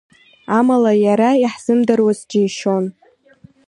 Амала иара иаҳзымдыруаз џьишьон.